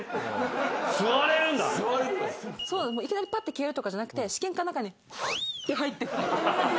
いきなりパッて消えるとかじゃなくて試験管の中にフッて入ってく。